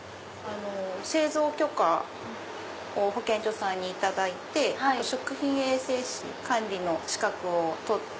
製造許可を保健所さんにいただいて食品衛生士管理の資格を取って。